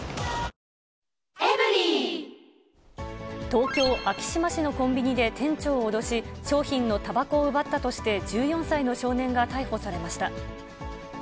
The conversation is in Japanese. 東京・昭島市のコンビニで店長を脅し、商品のたばこを奪ったとして、１４歳の少年が逮捕されました。